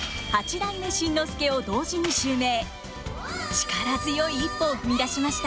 力強い一歩を踏み出しました。